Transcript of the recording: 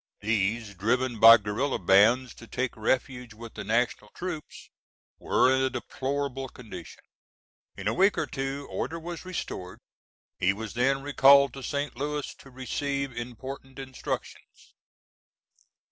These, driven by guerilla bands to take refuge with the national troops, were in a deplorable condition." In a week or two order was restored. He was then recalled to St. Louis, to receive important instructions.